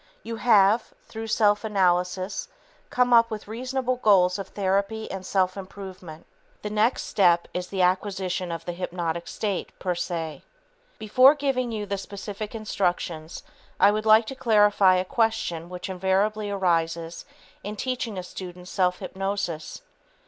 You have, through self analysis, come up with reasonable goals of therapy and self improvement. The next step is the acquisition of the hypnotic state, per se. Before giving you the specific instructions, I would like to clarify a question which invariably arises in teaching a student self hypnosis.